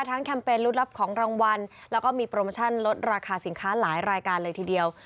แคมเปญลูดลับของรางวัลแล้วก็มีโปรโมชั่นลดราคาสินค้าหลายรายการเลยทีเดียว